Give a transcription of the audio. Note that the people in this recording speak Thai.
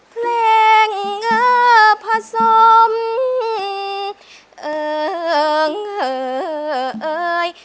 เพลงภาษมเอิงเอิง